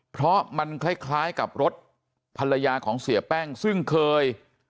เพราะมันคล้ายกับรถภรรยาของเสียแป้งซึ่งเคย